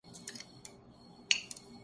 انگریزی سے فارسی لغت ایک اچھا اختیار ہے۔